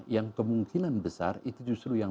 yang kemungkinan besar itu justru yang